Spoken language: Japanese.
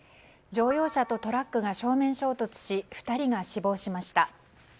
乗用車とトラックが正面衝突し２人が死亡しました。